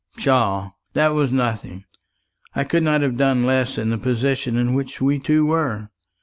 "Pshaw! that was nothing. I could not have done less in the position in which we two were.